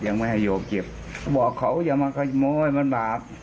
ยังไม่ให้โยมเก็บเขาบอกเขาอย่ามาขโมยมันบาป